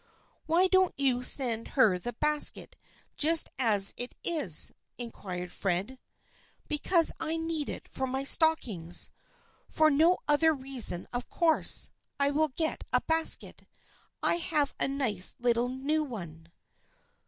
" Why don't you send her the basket just as it is ?" inquired Fred. " Because I need it for my stockings. For no THE FRIENDSHIP OF ANNE 189 other reason of course. I will get a basket. I have a nice little new one."